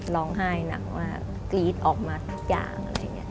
ร้องไห้หนักว่ากรีดออกมาทุกอย่าง